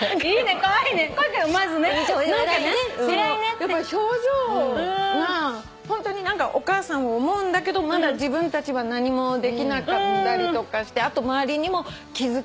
やっぱり表情がホントにお母さんを思うんだけどまだ自分たちは何もできなかったりとかしてあと周りにも気遣ってるっていうのがね。